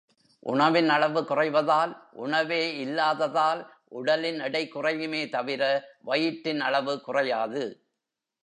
உணவின் அளவு குறைவதால், உணவே இல்லாததால், உடலின் எடை குறையுமே தவிர, வயிற்றின் அளவு குறையாது.